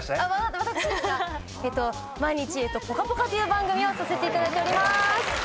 毎日『ぽかぽか』という番組をさせていただいております。